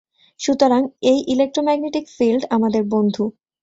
সুতরাং, এই electromagnetic field আমাদের বন্ধু!